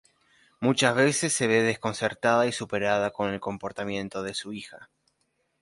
Muchas veces se ve desconcertada y superada con el comportamiento de su hija.